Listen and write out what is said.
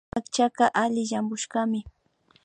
Akchaka alli llampushkami